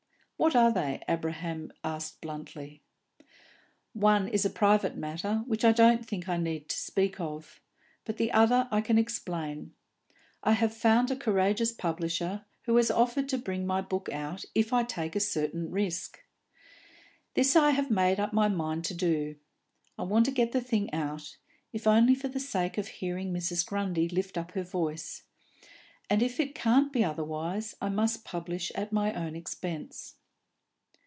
"What are they?" Abraham asked bluntly. "One is a private matter, which I don't think I need speak of; but the other I can explain. I have found a courageous publisher who has offered to bring my book out if I take a certain risk. This I have made up my mind to do. I want to get the thing out, if only for the sake of hearing Mrs. Grundy lift up her voice; and if it can't be otherwise, I must publish at my own expense."